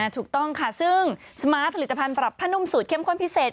ถูกต้องค่ะซึ่งสมาร์ทผลิตภัณฑ์ปรับผ้านุ่มสูตรเข้มข้นพิเศษ